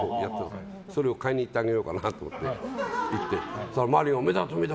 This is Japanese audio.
それを買いに行ってあげようかなと思って周りが、梅沢富美男だ！